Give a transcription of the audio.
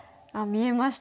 見えました？